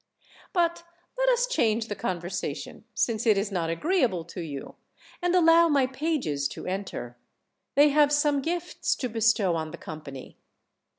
But let us change the conversa tion, since it is not agreeable to you, and allow my pages to enter; they have some gifts to bestow on the com pany."